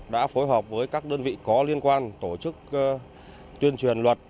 đã phối hợp với các đơn vị có liên quan tổ chức tuyên truyền luật